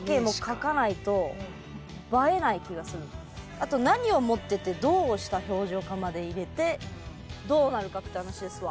あと何を持っててどうした表情かまで入れてどうなるかって話ですわ。